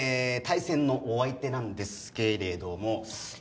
対戦のお相手なんですけれども。